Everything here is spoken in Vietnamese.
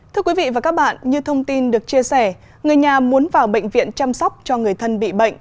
thưa quý vị và các bạn như thông tin được chia sẻ người nhà muốn vào bệnh viện chăm sóc cho người thân bị bệnh